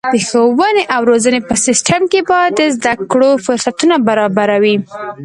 د ښوونې او روزنې په سیستم کې باید د زده کړو فرصتونه برابره وي.